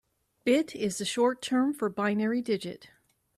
Bit is the short term for binary digit.